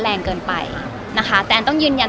แรงเกินไปนะคะแต่แอนต้องยืนยัน